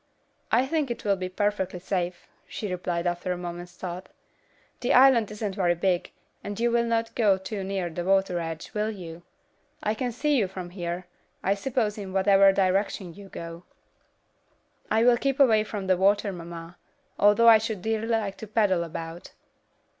"I think it will be perfectly safe," she replied, after a moment's thought. "The island isn't very big, and you will not go too near the water's edge, will you? I can see you from here I suppose in whatever direction you go." "I will keep away from the water, mamma, although I should dearly like to paddle about."